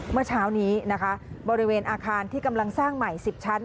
เมื่อเช้านี้นะคะบริเวณอาคารที่กำลังสร้างใหม่๑๐ชั้น